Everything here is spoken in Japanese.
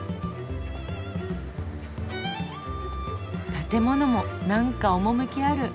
建物もなんか趣ある。